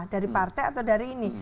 dari partai atau dari ini